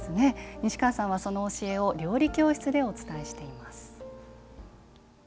西川さんはそのことを料理教室でお伝えしています。